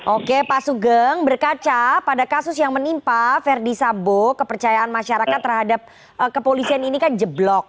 oke pak sugeng berkaca pada kasus yang menimpa verdi sambo kepercayaan masyarakat terhadap kepolisian ini kan jeblok